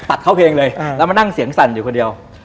เข้าเพลงเลยแล้วมานั่งเสียงสั่นอยู่คนเดียว